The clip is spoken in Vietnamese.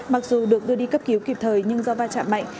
mặc dù được đưa đi cấp cứu kịp thời nhưng do va chạm mạnh